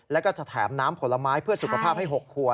แล้วก็จะแถมน้ำผลไม้เพื่อสุขภาพให้๖ขวด